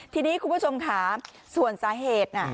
ทีนี้คุณผู้ชมค่ะส่วนสาเหตุน่ะ